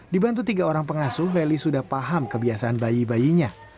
dibantu tiga orang pengasuh leli sudah paham kebiasaan bayi bayinya